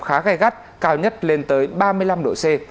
khá gai gắt cao nhất lên tới ba mươi năm độ c